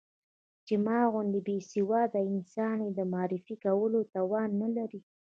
چې ما غوندې بې سواده انسان يې د معرفي کولو توان نه لري.